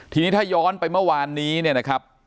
ทีนี้ถ้าย้อนไปเมื่อวานนี้เนี่ยนะครับ